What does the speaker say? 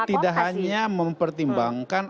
kami tidak hanya mempertimbangkan